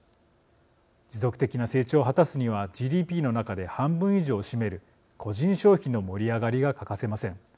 持続的な成長を果たすにはＧＤＰの中で半分以上を占める個人消費の盛り上がりが欠かせません。